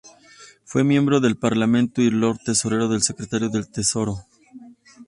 Fue miembro del Parlamento y Lord Tesorero o secretario del Tesoro.